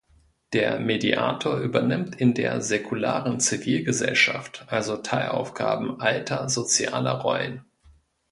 Der Mediator übernimmt in der säkularen Zivilgesellschaft also Teilaufgaben alter sozialer Rollen.